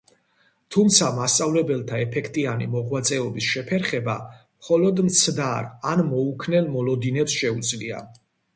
თუმცა მასწავლებელთა ეფექტიანი მოღვაწეობის შეფერხება მხოლოდ მცდარ ან მოუქნელ მოლოდინებს შეუძლია.